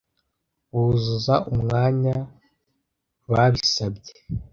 Buzuza umwanya babisabye.